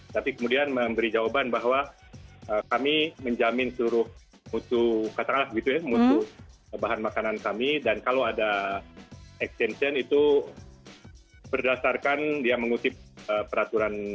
tapi kemudian memberi jawaban bahwa kami menjamin seluruh mutu katakanlah begitu ya mutu bahan makanan kami dan kalau ada extension itu berdasarkan dia mengutip peraturan